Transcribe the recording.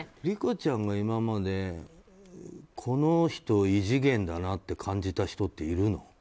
理子ちゃんが今までこの人、異次元だなって感じた人っているの？